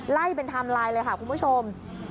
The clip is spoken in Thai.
ไล่เป็นไทม์ไลน์เลยค่ะคุณผู้ชม